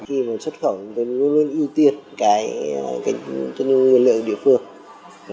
khi mình xuất khẩu thì mình luôn luôn ưu tiên cho những nguyên liệu địa phương